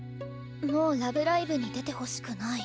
「もう『ラブライブ！』に出てほしくない」。